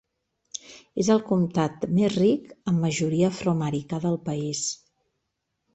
És el comtat més ric amb majoria afroamericà del país.